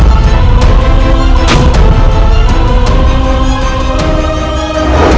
akan mengganggu pesatren